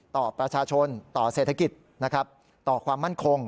ต่อประชาชนต่อเศรษฐกิจนะครับต่อความมั่นคง